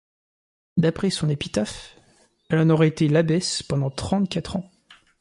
D'après son épitaphe, elle en aurait été l'abbesse pendant trente-quatre ans.